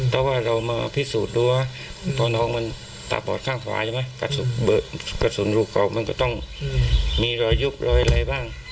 ถ้าว่าเรามาพิสูจน์ดูว่าตัวน้องมันตาบอดข้างขวาใช่ไหมกระสุนลูกกรอกมันก็ต้องมีรอยยุบรอยอะไรบ้าง